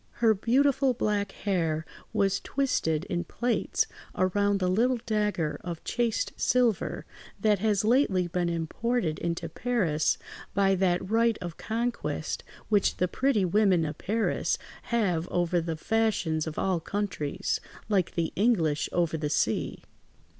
Her beautiful black hair was twisted in plaits around the little dagger of chased silver, that has lately been imported into Paris by that right of conquest which the pretty women of Paris have over the fashions of all countries, like the English over the sea.